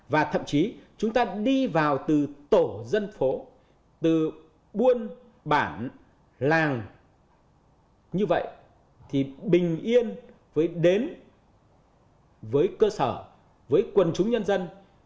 và thậm chí chúng ta đi vào từ tổ dân phố từ buôn bản làng như vậy thì bình yên với đến với cơ sở với quần chúng nhân dân